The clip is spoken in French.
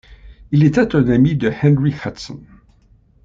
Il était un ami de Henry Hudson.